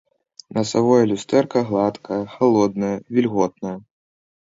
Насавое люстэрка гладкае, халоднае, вільготнае.